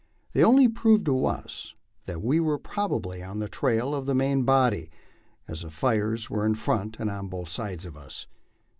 They only proved to us that we were probably on the trail of the main body, as the fires were in front and on both sides of us.